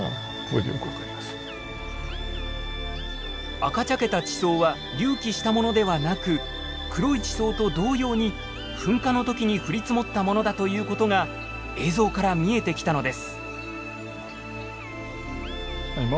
赤茶けた地層は隆起したものではなく黒い地層と同様に噴火の時に降り積もったものだということが映像から見えてきたのです。